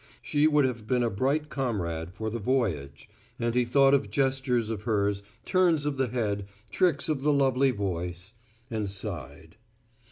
She would have been a bright comrade for the voyage; and he thought of gestures of hers, turns of the head, tricks of the lovely voice; and sighed.